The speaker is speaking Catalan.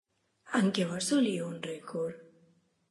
En què va assolir un rècord?